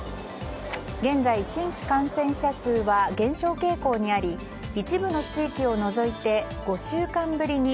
現在、新規感染者数は減少傾向にあり一部の地域を除いて５週間ぶりに